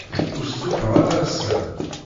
Ur stufaɣ ara ass-a.